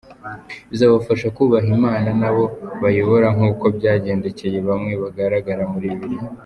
Bizabafasha kubaha Imana n’abo bayobora nk’uko byagendekeye bamwe bagaragara muri Bibiliya”.